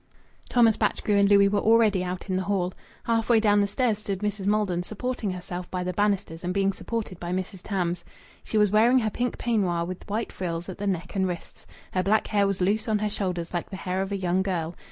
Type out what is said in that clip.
Thomas Batchgrew and Louis were already out in the hall. Half way down the stairs stood Mrs. Maldon, supporting herself by the banisters and being supported by Mrs. Tams. She was wearing her pink peignoir with white frills at the neck and wrists. Her black hair was loose on her shoulders like the hair of a young girl.